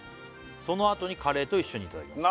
「そのあとにカレーと一緒にいただきます」